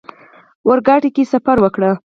اورګاډي کې سفر وکړ.